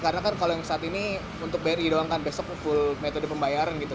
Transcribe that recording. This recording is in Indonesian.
karena kan kalau yang saat ini untuk bayar gitu doang kan besok full metode pembayaran gitu